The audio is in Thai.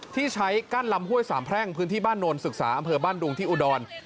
ที่ใช้กั้นลำห้วยสามแพร่งพื้นที่บ้านโนนศึกษาอำเภอบ้านดุงที่อุดร